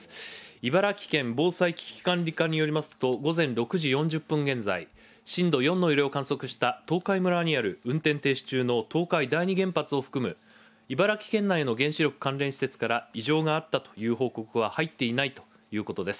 茨城県防災機器管理課によりますと、午前６時４０分現在、震度４の揺れを観測した東海村にある運転停止中の東海第二原発を含む茨城県内の原子力関連施設から異常があったという報告は入っていないということです。